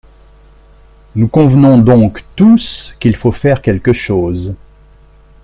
Nous convenons donc tous qu’il faut faire quelque chose.